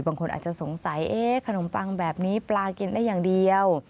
บางคนอาจจะสงสัยขนมปังแบบนี้ปลากินได้อย่างเดียว